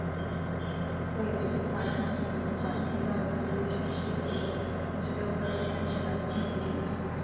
桂柳话通行于广西壮族自治区西北部五十六个县市的部分地区。